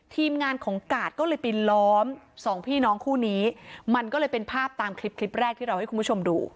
ทีมงานของกาดก็เลยไปล้อมสองพี่น้องคู่นี้มันก็เลยเป็นภาพตามคลิปคลิปแรกที่เราให้คุณผู้ชมดู